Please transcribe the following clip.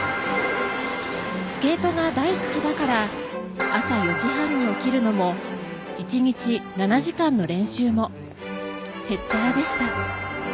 スケートが大好きだから朝４時半に起きるのも１日７時間の練習もへっちゃらでした。